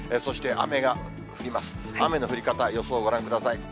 雨の降り方、予想をご覧ください。